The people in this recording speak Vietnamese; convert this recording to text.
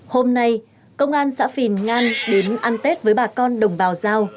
hôm nay công an xã phìn ngan đến ăn tết với bà con đồng bào giao